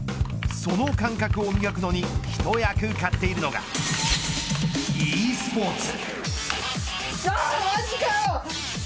その感覚を磨くのに一役買っているのがｅスポーツ。